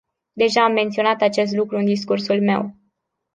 Deja am menționat acest lucru în discursul meu.